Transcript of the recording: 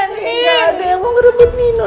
nggak ada yang mau ngerebut nino